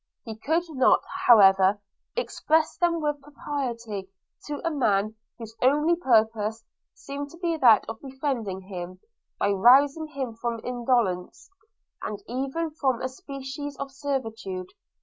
He could not, however, express them with propriety to a man whose only purpose seemed to be that of befriending him, by rousing him from indolence, and even from a species of servitude.